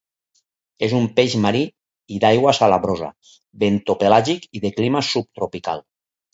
És un peix marí i d'aigua salabrosa, bentopelàgic i de clima subtropical.